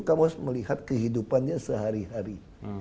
kamu harus melihat kehidupannya sehari hari